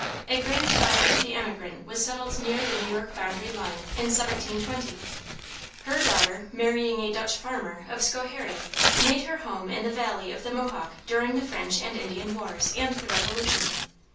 A grand daughter of the emigrant was settled near the New York boundary line in 1720. Her daughter marrying a Dutch farmer of Schoharie made her home in the valley of the Mohawk during the French and Indian wars and the Revolution.